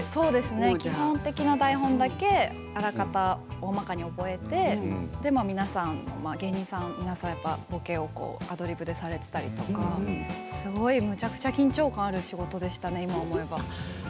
基本的な台本だけおおまかに覚えて皆さん、芸人さんがぼけをアドリブでされていたりとかむちゃくちゃ緊張感のある仕事でしたね、今思えば。